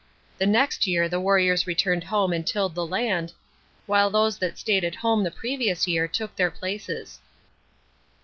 The next year the warriors returned home and tilled the Lmd, while those who had stayed at home the previous •ear took their places.